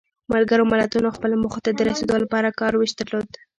ملګرو ملتونو خپلو موخو ته د رسیدو لپاره کار ویش درلود.